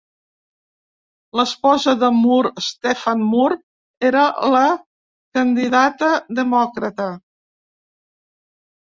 L'esposa de Moore, Stephene Moore, era la candidata demòcrata.